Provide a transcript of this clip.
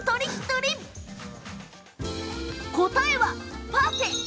答えは、パフェ！